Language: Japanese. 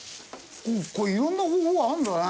これ色んな方法があるんだね。